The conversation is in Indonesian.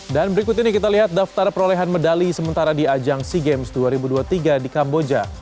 dan berikut ini kita lihat daftar perolehan medali sementara di ajang sea games dua ribu dua puluh tiga di kamboja